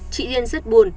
chị liên rất buồn